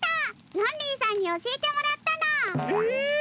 ロンリーさんに教えてもらったの！